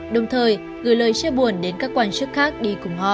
đồng thời gửi lời chia buồn đến các quan chức khác đi cùng họ